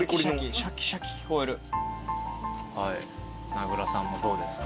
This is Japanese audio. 名倉さんもどうですか？